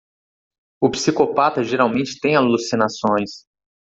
O psicopata geralmente tem alucinações.